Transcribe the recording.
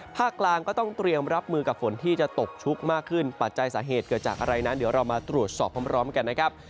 กลางก็ต้องเตรียมรับมือกับฝนที่จะตกชุกมากขึ้นปัจจัยสาเหตุเกิดจากอะไรนั้นเดี๋ยวเรามาตรวจสอบพร้อมกันนะครับ